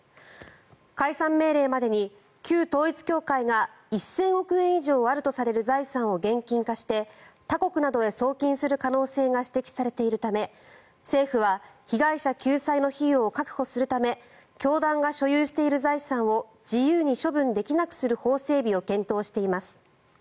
解散命令までに旧統一教会が１０００億円以上あるとされる財産を現金化して他国などへ送金する可能性が指摘されているため政府は被害者救済の費用を確保するため教団が所有している財産を自由に処分できなくする法整備を検討しています。